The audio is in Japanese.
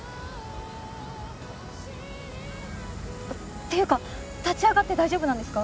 っていうか立ち上がって大丈夫なんですか？